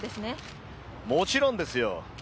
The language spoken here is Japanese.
もちろんですよ。